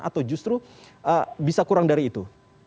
atau justru bisa kurang dari itu